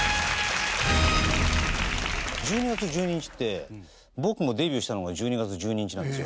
１２月１２日って僕もデビューしたのが１２月１２日なんですよ。